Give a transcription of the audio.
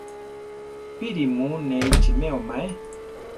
Píri mu ne ichimeo maé?